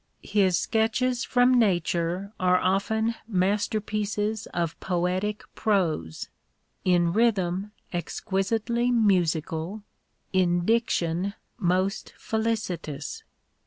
His sketches from Nature are often masterpieces of poetic prose — ^in rhythm exquisitely musical, in diction most felicitous.